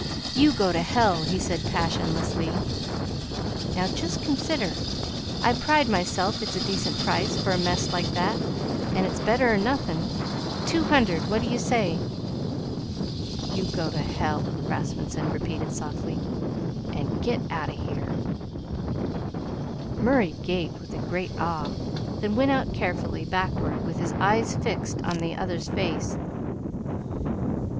"You go to hell," he said passionlessly. "Now just consider. I pride myself it's a decent price for a mess like that, and it's better 'n nothin'. Two hundred. What you say?" "You go to hell," Rasmunsen repeated softly, "and get out of here." Murray gaped with a great awe, then went out carefully, backward, with his eyes fixed an the other's face.